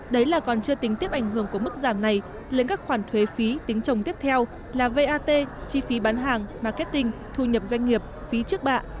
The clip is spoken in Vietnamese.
đấy là còn chưa tính tiếp ảnh hưởng của mức giảm này lên các khoản thuế phí tính trồng tiếp theo là vat chi phí bán hàng marketing thu nhập doanh nghiệp phí trước bạ